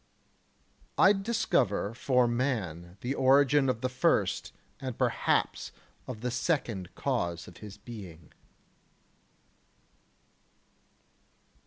3. I discover for man the origin of the first and perhaps of the second cause of his being.